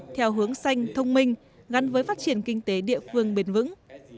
theo hướng xanh thông minh gắn với phát triển kinh tế địa phương bền vững